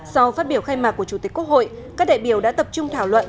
sau phát biểu khai mạc của chủ tịch quốc hội các đại biểu đã tập trung thảo luận